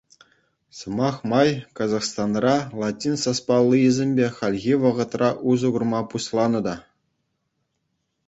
Сӑмах май, Казахстанра латин саспаллийӗсемпе хальхи вӑхӑтра усӑ курма пуҫланӑ та.